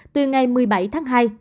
từ ngày một mươi bảy tháng hai